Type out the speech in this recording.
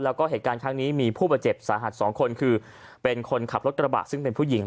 แล้วก็เหตุการณ์ครั้งนี้มีผู้บาดเจ็บสาหัสสองคนคือเป็นคนขับรถกระบะซึ่งเป็นผู้หญิง